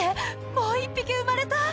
もう１匹生まれた！